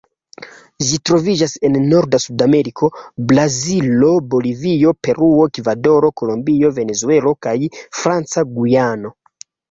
Ĝi troviĝas en norda Sudameriko: Brazilo, Bolivio, Peruo, Ekvadoro, Kolombio, Venezuelo, kaj Franca Gujano.